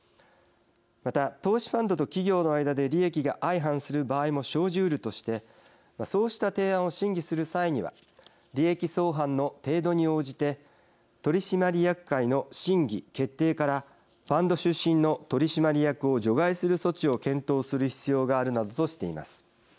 また投資ファンドと企業の間で利益が相反する場合も生じうるとしてそうした提案を審議する際には利益相反の程度に応じて取締役会の審議・決定からファンド出身の取締役を除外する措置を検討する必要があるなどとしています。